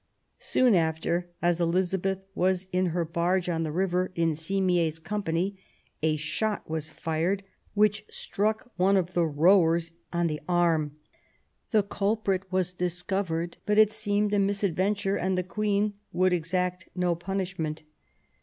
Soon after, as Elizabeth was in her barge on the river, in Simier's company, a shot was fired which struck one of the rowers on the arm. The culprit was discovered; but it seemed a misadventure, and the Queen would exact no punishment.